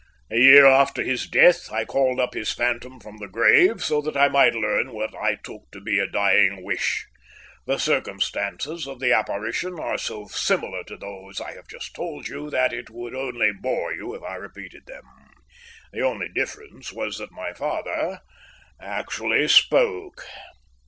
A year after his death, I called up his phantom from the grave so that I might learn what I took to be a dying wish. The circumstances of the apparition are so similar to those I have just told you that it would only bore you if I repeated them. The only difference was that my father actually spoke."